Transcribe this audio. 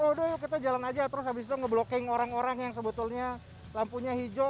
oh udah kita jalan aja terus habis itu nge blocking orang orang yang sebetulnya lampunya hijau